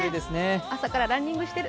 朝からランニングしてる。